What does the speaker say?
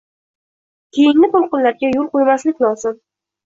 Keyingi toʻlqinlarga yoʻl qoʻymaslik lozim